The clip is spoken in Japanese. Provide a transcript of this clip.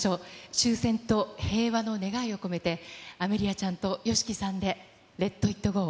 終戦と平和の願いを込めて、アメリアちゃんとＹＯＳＨＩＫＩさんでＬｅｔＩｔＧｏ。